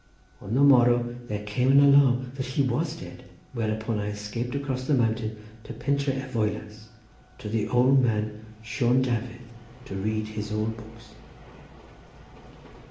On the morrow there came an alarm that he was dead, whereupon I escaped across the mountain to Pentré y Foelas, to the old man Sion Dafydd, to read his old books."